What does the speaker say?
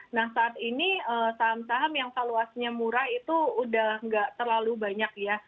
nah saat ini saham saham yang valuasinya murah itu udah nggak terlalu banyak ya